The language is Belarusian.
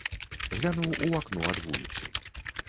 Глянуў у акно ад вуліцы.